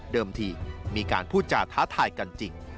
ที่มีการพูดจาท้าทายกันจริง